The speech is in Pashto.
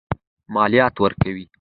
مالیات ورکوي.